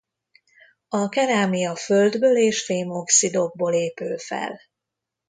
A kerámia Földből és fém-oxidokból épül fel.